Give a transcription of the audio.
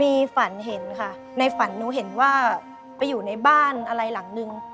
มีฝันเห็นค่ะในฝันหนูเห็นว่าไปอยู่ในบ้านอะไรหลังนึง